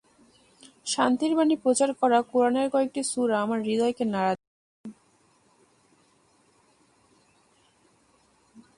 শান্তির বাণী প্রচার করা কোরআনের কয়েকটি সুরা আমার হৃদয়কে নাড়া দিয়েছে।